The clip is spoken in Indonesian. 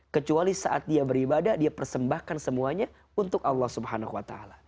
kecuali saat dia beribadah dia persembahkan semuanya untuk allah swt